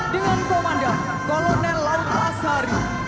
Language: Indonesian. dengan komandan kolonel laut asari